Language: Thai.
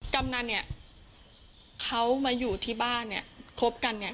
กำนันเนี่ยเขามาอยู่ที่บ้านเนี่ยคบกันเนี่ย